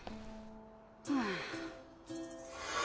はあ。